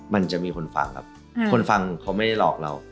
มันจะมีคนฟังครับคนฟังเขาไม่ได้หลอกเรา